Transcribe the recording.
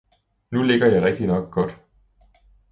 Nu ligger jeg rigtignok godt!